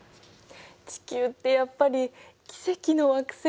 地球ってやっぱり奇跡の惑星なんだね。